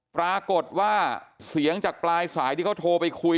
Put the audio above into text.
ปรากฏว่าเสียงจากปลายสายที่เขาโทรไปคุย